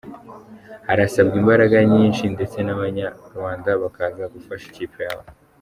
Harasabwa imbaraga nyinshi ndetse n’Abanyarwanda bakaza gufasha ikipe yabo.